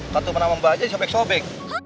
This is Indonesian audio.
kartu nama mbak aja sobek sobek